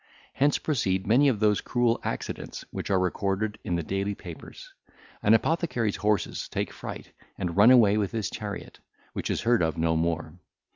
Hence proceed many of those cruel accidents which are recorded in the daily papers. An apothecary's horses take fright, and run away with his chariot, which is heard of no more.